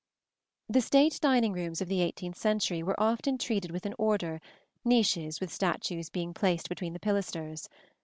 The state dining rooms of the eighteenth century were often treated with an order, niches with statues being placed between the pilasters.